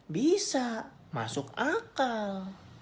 bisa masuk akal